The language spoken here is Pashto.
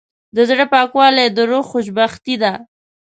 د زړه پاکوالی د روح خوشبختي ده.